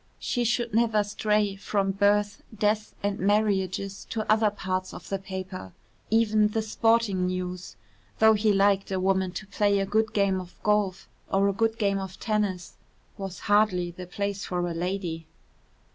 She should never stray from birth, deaths and marriages to other parts of the paper. Even the sporting news (though he liked a woman to play a good game of golf or a good game of tennis) was hardly the place for a lady.